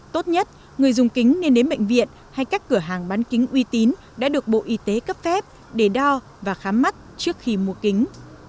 tốt nhất người dùng kính nên đến bệnh viện hay các cửa hàng bán kính uy tín đã được bộ y tế cấp phép để đo và khám mắt trước khi mua kính